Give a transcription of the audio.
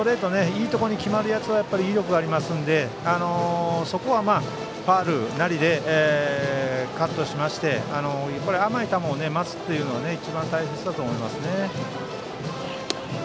いいところに決まるやつは威力がありますのでそこはファウルなりでカットしまして甘い球を待つことが一番大切だと思います。